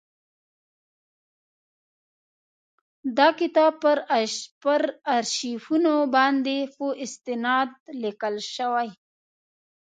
دا کتاب پر آرشیفونو باندي په استناد لیکل شوی.